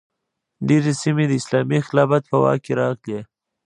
ډیرې سیمې د اسلامي خلافت په واک کې راغلې.